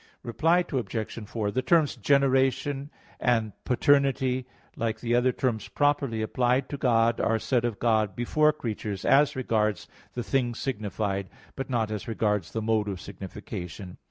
Reply Obj. 4: The terms "generation" and "paternity" like the other terms properly applied to God, are said of God before creatures as regards the thing signified, but not as regards the mode of signification.